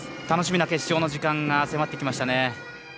楽しみな決勝の時間が迫ってきましたね。